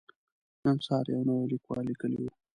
نن سهار يو نوي ليکوال ليکلي وو.